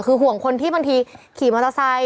คือห่วงคนที่บางทีขี่มอเตอร์ไซค์